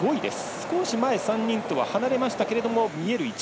少し前３人とは離されましたが見える位置。